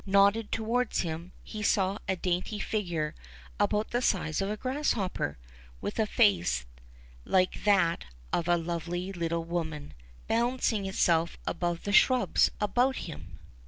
nodded towards him, he saw a dainty figure about the size of a grasshopper, with a face like that of a lovely little woman, balancing itself above the shrubs about him.